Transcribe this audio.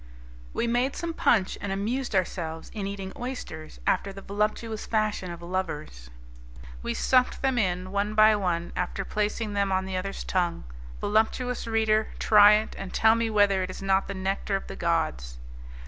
We made some punch, and amused ourselves in eating oysters after the voluptuous fashion of lovers. We sucked them in, one by one, after placing them on the other's tongue. Voluptuous reader, try it, and tell me whether it is not the nectar of the gods!